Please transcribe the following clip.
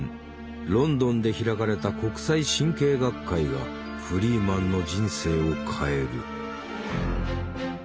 ロンドンで開かれた国際神経学会がフリーマンの人生を変える。